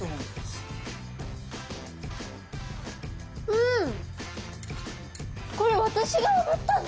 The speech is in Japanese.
うん！